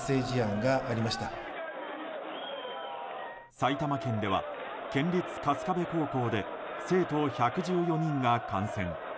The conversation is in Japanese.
埼玉県では県立春日部高校で生徒１１４人が感染。